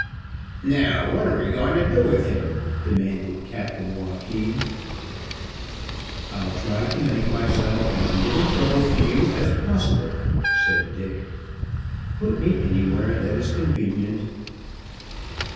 "Now, what are we going to do with him?" demanded Captain Joaquin. "I'll try to make myself as little trouble to you as possible," said Dick. "Put me anywhere that is convenient."